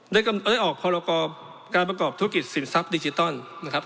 ได้ออกพรกรการประกอบธุรกิจสินทรัพย์ดิจิตอลนะครับ